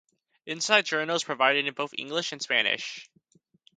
"Inside Journal" is provided in both English and Spanish.